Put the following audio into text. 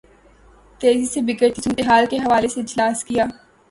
تیزی سے بگڑتی صورت حال کے حوالے سے اجلاس کیا